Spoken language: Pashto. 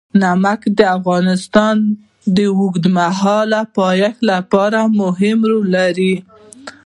نمک د افغانستان د اوږدمهاله پایښت لپاره مهم رول لري.